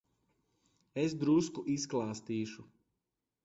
Es drusku izklāstīšu.